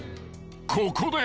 ［ここで］